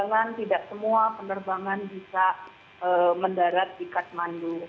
perjalanan tidak semua penerbangan bisa mendarat di kathmandu